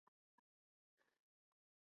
三蕊草属是禾本科下的一个属。